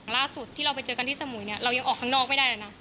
ล่าสุดที่เราไปเจอกันที่สมุยเนี่ยเรายังออกข้างนอกไม่ได้เลยนะ